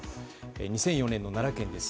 ２００４年の奈良県です。